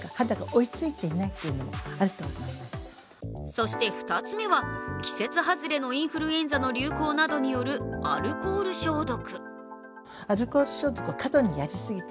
そして２つ目は季節外れのインフルエンザの流行などによるアルコール消毒。